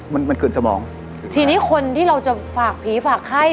มันมันเกินสมองทีนี้คนที่เราจะฝากผีฝากไข้